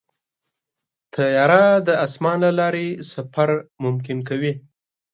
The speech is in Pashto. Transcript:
طیاره د اسمان له لارې سفر ممکن کوي.